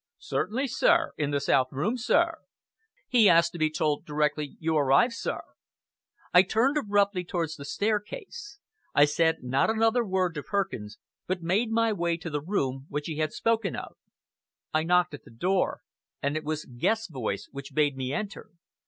"Certainly, sir! In the south room, sir! He asked to be told directly you arrived, sir!" I turned abruptly towards the staircase. I said not another word to Perkins, but made my way to the room which he had spoken of. I knocked at the door, and it was Guest's voice which bade me enter.